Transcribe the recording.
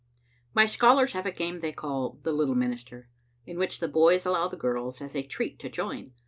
My scholars have a game they call " The Little Min ister," in which the boys allow the girls as a treat to join.